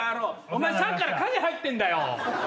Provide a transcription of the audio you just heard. お前さっきから影入ってんだよ。